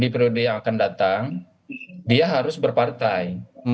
di periode yang akan datang dia harus berpartai